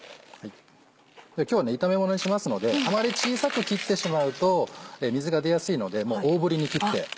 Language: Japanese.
今日は炒めものにしますのであまり小さく切ってしまうと水が出やすいので大ぶりに切って。